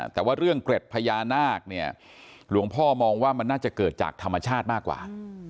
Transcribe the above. แต่ว่าเรื่องเกร็ดพญานาคเนี่ยหลวงพ่อมองว่ามันน่าจะเกิดจากธรรมชาติมากกว่า